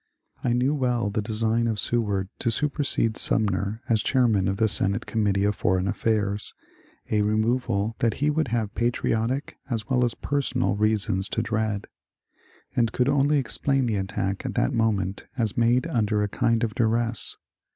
I knew well the design of Seward to supersede Sumner as chairman of the Senate Com mittee of Foreign Affairs, — a removal that he would have patriotic as well as personal reasons to dread, — and could only explain the attack at that moment as made under a kind of duress.